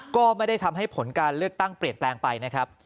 ก็ไม่ได้ทำให้ผลการเลือกตั้งเปลี่ยนแปลงไปนะครับ